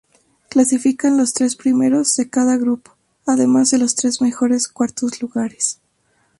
Clasifican los tres primeros de cada grupo además de los tres mejores cuartos lugares.